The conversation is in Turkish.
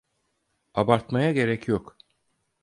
Abartmaya gerek yok.